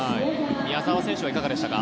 宮澤選手はいかがでしたか？